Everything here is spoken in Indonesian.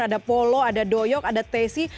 ada polo ada doyok ada tesi